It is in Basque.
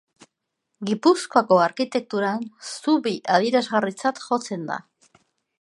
Gipuzkoako arkitekturan zubi adierazgarritzat jotzen da.